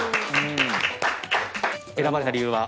選ばれた理由は？